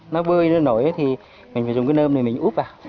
nó bơi nó nổi thì mình phải dùng cái nơm này mình úp vào